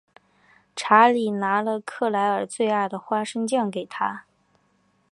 查理拿了克莱尔最爱的花生酱给她。